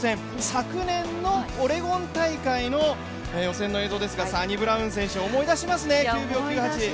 昨年のオレゴン大会の予選の映像ですがサニブラウン選手、思い出しますね、９秒９８。